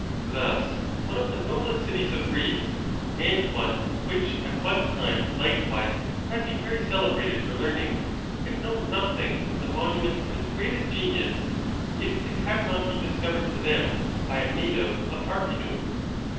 Thus one of the noblest cities of Greece, and one which at one time likewise had been very cele brated for learning, had known nothing of the monument of its greatest genius, if it had not been discovered to them by a native of Arpinum.